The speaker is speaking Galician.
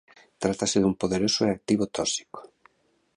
Trátase dun poderoso e activo tóxico.